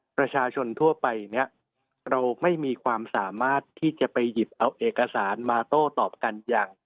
ประชาชนทั่วไปเนี่ยเราไม่มีความสามารถที่จะไปหยิบเอาเอกสารมาโต้ตอบกันอย่าง